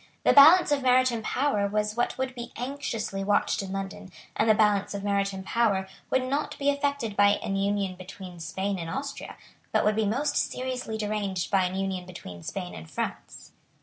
The balance of maritime power was what would be anxiously watched in London; and the balance of maritime power would not be affected by an union between Spain and Austria, but would be most seriously deranged by an union between Spain and France.